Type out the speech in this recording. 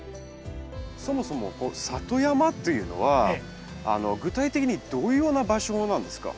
そもそもこの里山っていうのは具体的にどういうような場所なんですか？